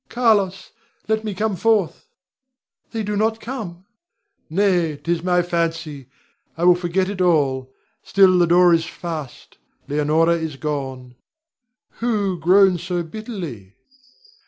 Carlos! let me come forth! They do not come! Nay, 'tis my fancy; I will forget it all. Still, the door is fast; Leonore is gone. Who groans so bitterly?